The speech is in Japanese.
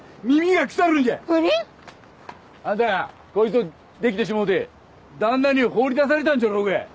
あんたこいつとデキてしもうて旦那に放り出されたんじゃろうが！